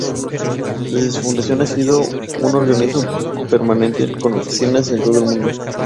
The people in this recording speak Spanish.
Desde su fundación, ha sido un organismo permanente con oficinas en todo el mundo.